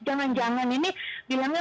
jangan jangan ini bilangnya